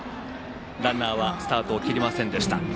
ランナーはスタートを切りませんでした。